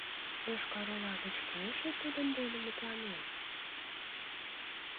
Йошкар-Ола гыч кӧ эше тудын дене мутланен?